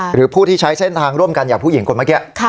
หรือผู้ที่ใช้เส้นทางร่วมกันอย่างผู้หญิงคนเมื่อกี้